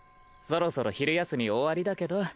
そろそろ昼休み終わりだけど？